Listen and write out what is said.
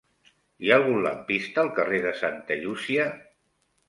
Hi ha algun lampista al carrer de Santa Llúcia?